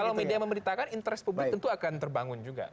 kalau media memberitakan interest publik tentu akan terbangun juga